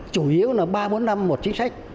chủ yếu là ba bốn năm một chính sách